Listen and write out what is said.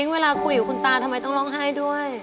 เวลาคุยกับคุณตาทำไมต้องร้องไห้ด้วย